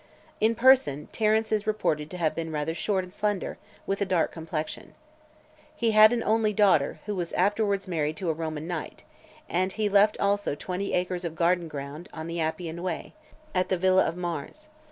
In person, Terence is reported to have been rather short and slender, with a dark complexion. He had an only daughter, who was afterwards married to a Roman knight; and he left also twenty acres of garden ground , on the Appian Way, at the Villa of Mars.